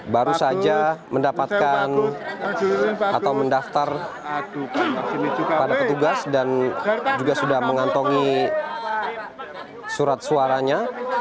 baru saja mendapatkan atau mendaftar pada petugas dan juga sudah mengantongi surat suaranya